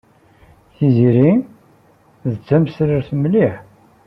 Tiziri d tamesrart mliḥ.